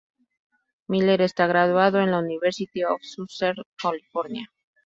Miller está graduado en la University of Southern California.